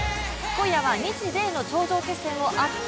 今夜は日米の頂上決戦を熱く！